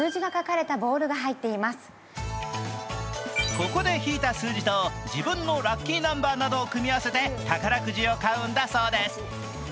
ここで引いた数字と自分のラッキーナンバーなどを組み合わせて宝くじを買うんだそうです。